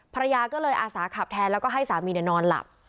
ภรรยาก็เลยอาสาขับแทนแล้วก็ให้สามีนอนหลับ